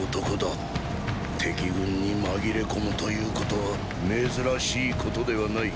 敵軍に紛れ込むということは珍しいことではない。